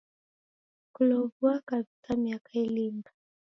Kulow'ua kavika miaka ilinga?.